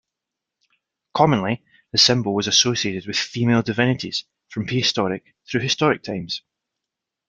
Commonly, the symbol was associated with female divinities, from prehistoric through historic times.